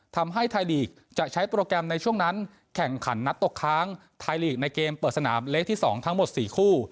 ทำให้ไทยลีกจะใช้โปรแกรมในช่วงนั้นแข่งขันนัดตกค้างไทยลีกในเกมเปิดสนามเลขที่๒ทั้งหมด๔คู่